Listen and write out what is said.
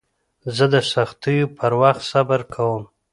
زه د سختیو پر وخت صبر کوم.